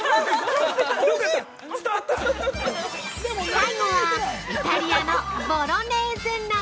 ◆最後はイタリアのボロネーゼ鍋。